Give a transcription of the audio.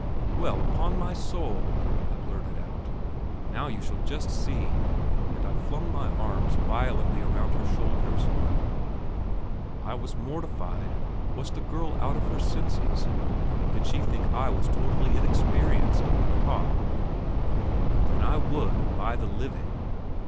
"Well, upon my soul!" I blurted out, "now you shall just see," and I flung my arms violently around her shoulders. I was mortified. Was the girl out of her senses? Did she think I was totally inexperienced! Ha! Then I would, by the living....